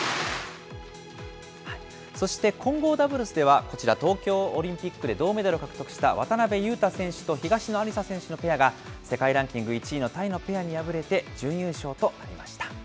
そして、混合ダブルスでは、こちら、東京オリンピックで銅メダルを獲得した渡辺勇大選手と東野有紗選手のペアが、世界ランキング１位のタイのペアに敗れて、準優勝となりました。